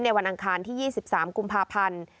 วันอังคารที่๒๓กุมภาพันธ์